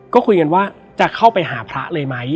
ก็คุยกันว่าจะเข้าไปหาพระเลยไหม